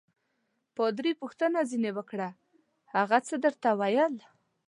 پادري پوښتنه ځینې وکړه: هغه څه درته ویل؟